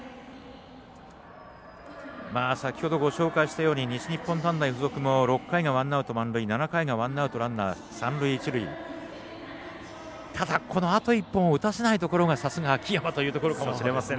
先ほどご紹介したように西日本短大付属も６回がワンアウト満塁７回がワンアウトランナー、三塁一塁ただ、このあと１本を打たせないところがさすが秋山というところかもしれません。